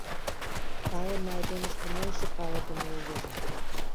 Палыме айдемыште мо эше палыдыме улыжо.